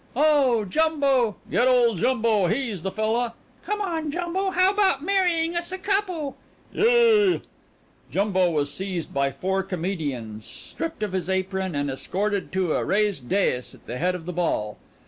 "Oh, Jumbo!" "Get old Jumbo. He's the fella!" "Come on, Jumbo. How 'bout marrying us a couple?" "Yea!" Jumbo was seized by four comedians, stripped of his apron, and escorted to a raised daïs at the head of the ball.